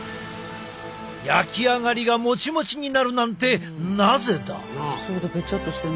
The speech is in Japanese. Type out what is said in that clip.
焼き上がりがモチモチになるなんてなぜだ？